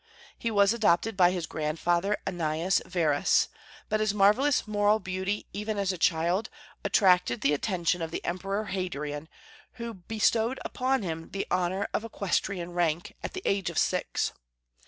He was adopted by his grandfather Annius Verus. But his marvellous moral beauty, even as a child, attracted the attention of the Emperor Hadrian, who bestowed upon him the honor of the aequestrian rank, at the age of six.